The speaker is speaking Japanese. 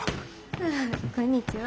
ああこんにちは。